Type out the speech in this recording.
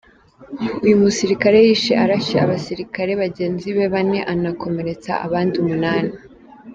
Uyu musirikare yishe arashe abasirikare bagenzi be bane anakomeretsa abandi umunani.